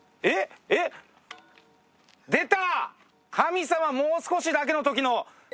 えっ出た！